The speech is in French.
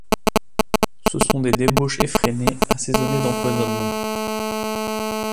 Ce sont des débauches effrénées, assaisonnées d’empoisonnements.